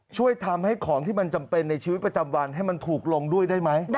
ช่วยทำให้ของที่มันจำเป็นในชีวิตประจำวันให้มันถูกลงด้วยได้ไหม